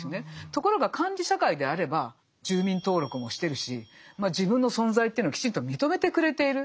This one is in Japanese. ところが管理社会であれば住民登録もしてるし自分の存在というのをきちんと認めてくれている。